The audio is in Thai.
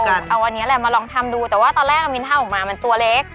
เอาอันนี้แหละมาลองทำดูแต่ว่าตอนแรกเอามินทาออกมามันตัวเล็ก